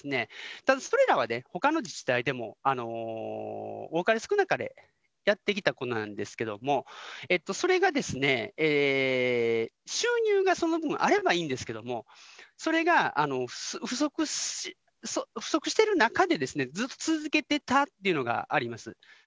ただ、それらはほかの自治体でも多かれ少なかれやってきたことなんですけれども、それが収入がその分あればいいんですけれども、それが不足している中で、ずっと続けてたっていうのがあります。